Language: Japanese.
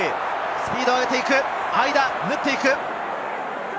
スピードを上げて、ぬっていく。